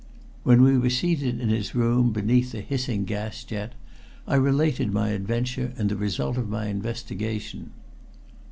When we were seated in his room beneath the hissing gas jet, I related my adventure and the result of my investigation.